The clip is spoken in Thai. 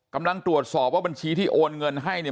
กำลังตรวจสอบว่าบัญชีที่โอนเงินให้เนี่ย